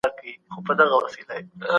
له ماشومانو سره په نرمه ژبه خبرې وکړئ.